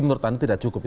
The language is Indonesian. menurut anda tidak cukup